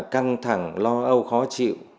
căng thẳng lo âu khó chịu